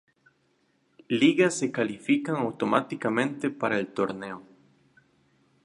Liga se califican automáticamente para el torneo.